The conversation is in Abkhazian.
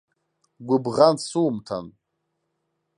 Гәыбӷан сумҭан!